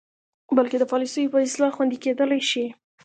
بلکې د پالسیو په اصلاح خوندې کیدلې شي.